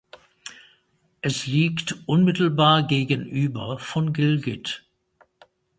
Es liegt unmittelbar gegenüber von Gilgit.